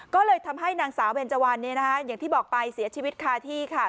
ก็เลยทำให้นางสาวเบนเจวันอย่างที่บอกไปเสียชีวิตคาที่ค่ะ